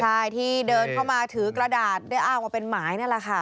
ใช่ที่เดินเข้ามาถือกระดาษได้อ้างว่าเป็นหมายนั่นแหละค่ะ